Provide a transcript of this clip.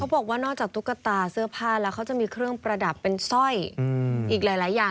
บอกว่านอกจากตุ๊กตาเสื้อผ้าแล้วเขาจะมีเครื่องประดับเป็นสร้อยอีกหลายอย่าง